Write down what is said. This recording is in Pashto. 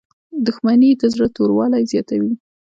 • دښمني د زړه توروالی زیاتوي.